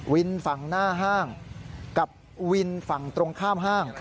ฝั่งหน้าห้างกับวินฝั่งตรงข้ามห้าง